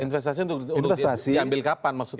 investasi untuk diambil kapan maksudnya